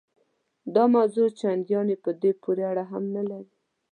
دا موضوع چنداني په دې پورې اړه هم نه لري.